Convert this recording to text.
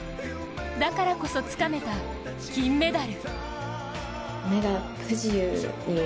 だからこそ、つかめた金メダル。